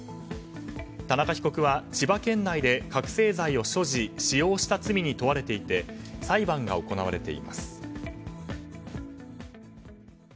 田中被告は、千葉県内で覚醒剤を所持・使用した罪に問われていて裁判が行われています。